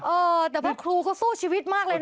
เออแต่คุณครูก็สู้ชีวิตมากเลยนะ